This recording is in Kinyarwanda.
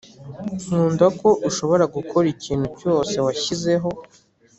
nkunda ko ushobora gukora ikintu cyose washyizeho